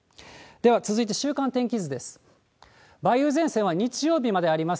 では続いて週間天気図です。